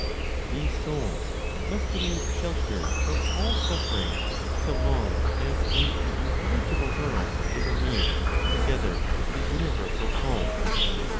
These souls must remain sheltered from all suffering so long as in the intelligible world they remain together with the universal Soul.